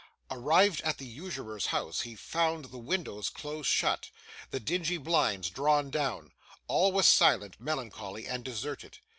Arrived at the usurer's house, he found the windows close shut, the dingy blinds drawn down; all was silent, melancholy, and deserted.